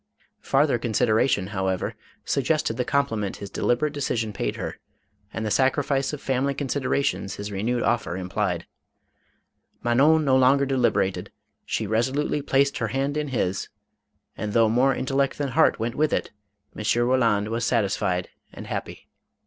Farther consideration, however, suggest ed the compliment his deliberate decision paid her, and the sacrifice of family considerations his renewed offer implied. Manon no longer deliberated ; she resolutely placed her hand in his, and though more intellect than heart went with it, M. Roland was satisfied and happy.